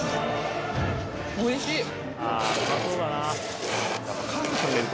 おいしい。